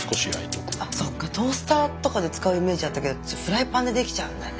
そっかトースターとか使うイメージあったけどフライパンでできちゃうんだね。